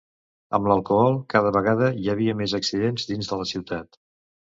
Amb l’alcohol cada vegada hi havia més accidents dins de la ciutat...